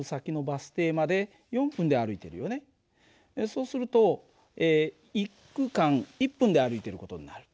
そうすると１区間１分で歩いてる事になる。